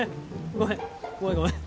ごめんごめん。